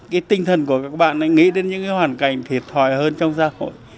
cái tinh thần của các bạn nghĩ đến những hoàn cảnh thiệt thòi hơn trong gia hội